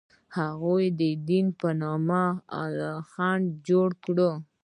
هغوی د دین په نوم خنډ جوړ کړ.